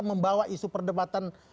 membawa isu perdebatan